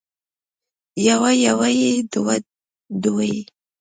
يو يوه يوې دوه دوې